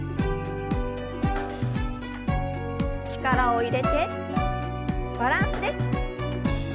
力を入れてバランスです。